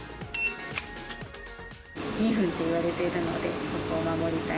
２分といわれていたので、そこを守りたい。